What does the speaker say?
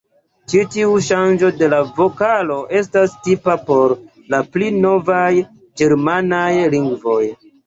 Ĉi tiu ŝanĝo de vokalo estas tipa por la pli novaj ĝermanaj lingvoj.